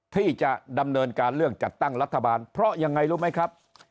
ที่จะดำเนินการเรื่องจัดตั้งรัฐบาลเพราะยังไงรู้ไหมครับ